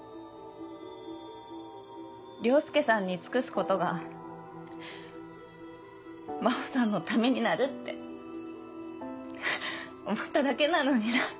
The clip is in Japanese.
凌介さんに尽くすことが真帆さんのためになるって思っただけなのにな。